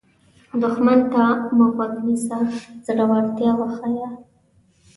دښمن ته مه غوږ نیسه، زړورتیا وښیه